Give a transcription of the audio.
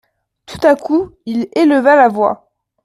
Tout à coup il éleva la voix.